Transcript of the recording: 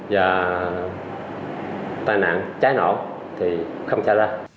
và tai nạn trái nổ thì không trả ra